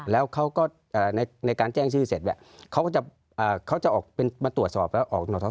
แล้วก็ในการแจ้งชื่อเสร็จรึงวะเขาก็จะมาตรวจสอบและออกลโนท๒ให้